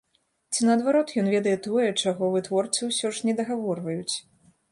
Ці наадварот, ён ведае тое, чаго вытворцы ўсё ж недагаворваюць?